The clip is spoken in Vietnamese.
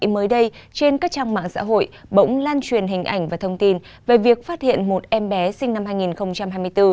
mới đây trên các trang mạng xã hội bỗng lan truyền hình ảnh và thông tin về việc phát hiện một em bé sinh năm hai nghìn hai mươi bốn